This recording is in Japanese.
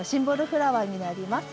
フラワーになります。